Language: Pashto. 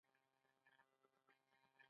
د امید لپاره راتلونکی اړین دی